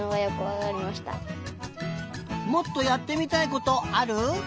もっとやってみたいことある？